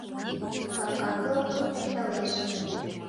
Капка кылым темдалеш.